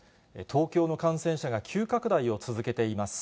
東京の感染者が急拡大を続けています。